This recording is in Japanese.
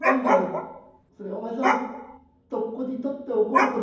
それをお前さんとっこに取って怒ること」。